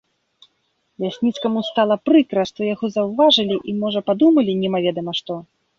Лясніцкаму стала прыкра, што яго заўважылі і, можа, падумалі немаведама што.